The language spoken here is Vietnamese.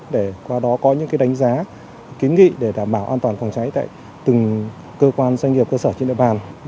để qua đó có những đánh giá kiến nghị để đảm bảo an toàn phòng cháy tại từng cơ quan doanh nghiệp cơ sở trên địa bàn